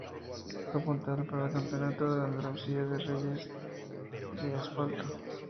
Fue puntuable para el Campeonato de Andalucía de Rallyes de Asfalto.